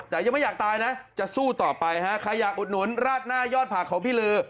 แต่ยังไม่อยากตายนะจะสู้ต่อไปฮะใครอยากอุดหนุนราดหน้ายอดผักของพี่ลือ